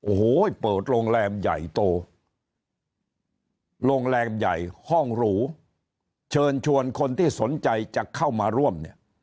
โอ้โหเปิดโรงแรมใหญ่โตโรงแรมใหญ่ห้องหรูเชิญชวนคนที่สนใจจะเข้ามาร่วมเนี่ย